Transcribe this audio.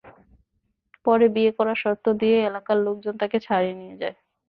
পরে বিয়ে করার শর্ত দিয়ে এলাকার লোকজন তাঁকে ছাড়িয়ে নিয়ে যায়।